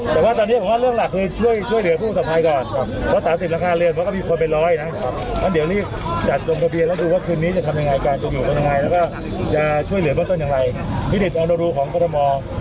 ครับอาจารย์เยียวยาเบื้องต้นยังไงครับ